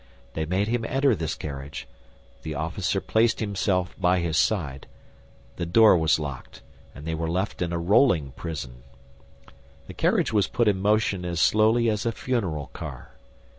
They made him enter this carriage, the officer placed himself by his side, the door was locked, and they were left in a rolling prison. The carriage was put in motion as slowly as a funeral car.